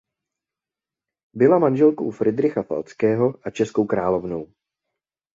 Byla manželkou Fridricha Falckého a českou královnou.